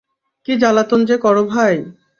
কী জ্বালাতন যে করো ভাই!